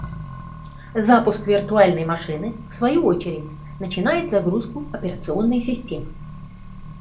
Запуск виртуальной машины в свою очередь начинает загрузку операционной системы